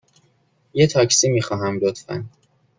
یه تاکسی می خواهم، لطفاً.